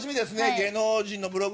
芸能人のブログ